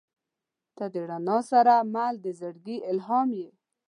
• ته د رڼا سره مل د زړګي الهام یې.